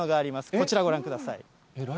こちらご覧ください。